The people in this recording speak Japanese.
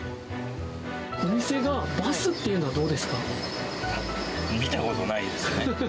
お店がバスというのはどうで見たことないですね。